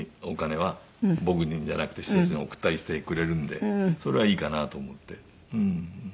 お金は僕にじゃなくて施設に送ったりしてくれるんでそれはいいかなと思って。